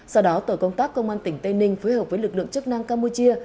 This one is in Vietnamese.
sau đó tổ công tác công an tỉnh tây ninh phối hợp với lực lượng chức năng campuchia